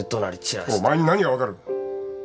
お前に何が分かる。